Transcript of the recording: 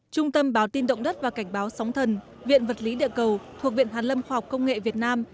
trung tâm báo tin động đất và cảnh báo sóng thần viện vật lý địa cầu thuộc viện hàn lâm khoa học công nghệ việt nam